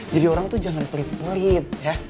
jadi orang tuh jangan pelit pelit ya